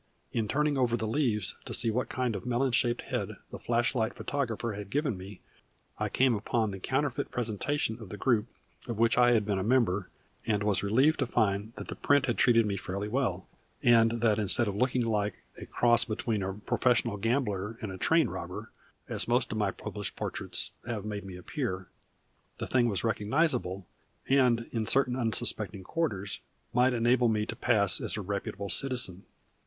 In turning over the leaves to see what kind of melon shaped head the flashlight photographer had given me I came upon the counterfeit presentment of the group of which I had been a member, and was relieved to find that the print had treated me fairly well, and that instead of looking like a cross between a professional gambler and a train robber, as most of my published portraits have made me appear, the thing was recognizable, and in certain unsuspecting quarters might enable me to pass as a reputable citizen.